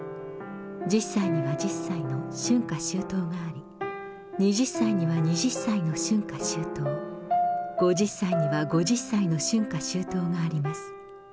１０歳には１０歳の春夏秋冬があり、２０歳には２０歳の春夏秋冬、５０歳には５０歳の春夏秋冬があります。